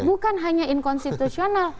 bukan hanya inkonstitusional